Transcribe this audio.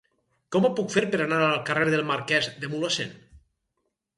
Com ho puc fer per anar al carrer del Marquès de Mulhacén?